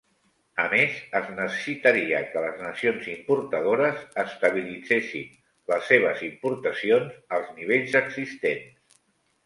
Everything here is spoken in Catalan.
A més, es necessitaria que les nacions importadores estabilitzessin les seves importacions als nivells existents.